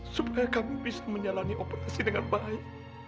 supaya kami bisa menyalani operasi dengan baik